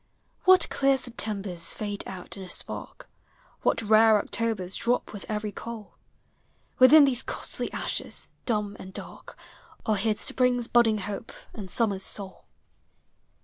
What clear Septembers fade out in a spark! W hat rare Octobers drop with every coal ! Within these costly ashes, dumb and dark, Are hid spring's budding hope, and summer's soul.